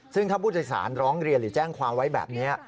ซึ่งถ้าผู้โดยสารร้องเรียนหรือแจ้งความไว้แบบนี้